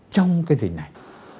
trong cái dịch này